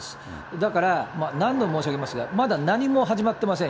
だから、何度も申し上げますが、まだ何も始まってません。